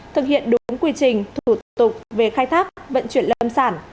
thực hiện đúng quy trình thủ tục về khai thác vận chuyển lâm sản